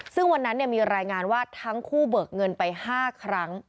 ซึ่งวันนั้นมีรายงานว่าทั้งคู่เบิกเงินไป๕ครั้ง